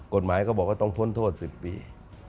กฎหมายก็บอกว่าต้องพ้นโทษ๑๐ปี